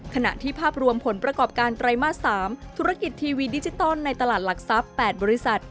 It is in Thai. ขณะที่ภาพรวมผลประกอบการไตรมาส๓ธุรกิจทีวีดิจิตอลในตลาดหลักทรัพย์๘บริษัท